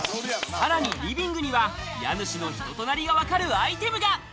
さらにリビングには家主の人となりがわかるアイテムが。